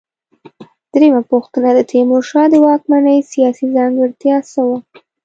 درېمه پوښتنه: د تیمورشاه د واکمنۍ سیاسي ځانګړتیا څه وه؟